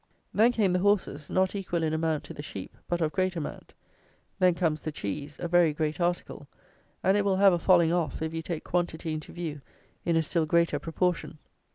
Then came the horses; not equal in amount to the sheep, but of great amount. Then comes the cheese, a very great article; and it will have a falling off, if you take quantity into view, in a still greater proportion.